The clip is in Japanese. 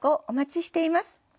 お待ちしています。